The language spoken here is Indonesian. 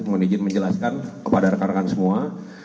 meminijin menjelaskan kepada rekan rekan semua